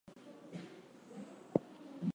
The ambiguity is considered to add to the effect.